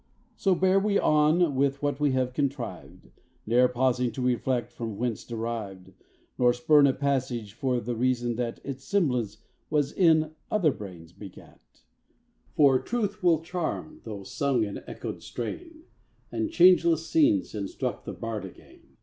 So bear we on with that we have contrived, Ne'er pausing to reflect from whence derived, Nor spurn a passage for the reason that Its semblance was in other brains begat For truth will charm though sung in echoed strain, And changeless scenes instruct the bard again.